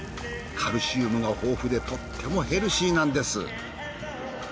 カルシウムが豊富でとってもヘルシーなんです。